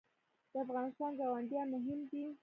د افغانستان ګاونډیان مهم دي